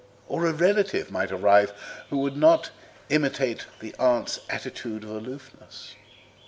Or a relative might arrive who would not imitate the aunt's attitude of aloofness.